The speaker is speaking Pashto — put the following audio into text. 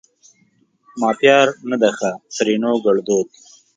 ما پیار نه ده ښه؛ ترينو ګړدود